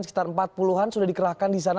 sekitar empat puluh an sudah dikerahkan di sana